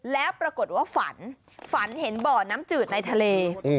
แล้วปรากฏว่าฝันฝันเห็นบ่อน้ำจืดในทะเล